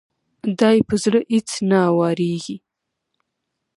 دا يې په زړه اېڅ نه اوارېږي.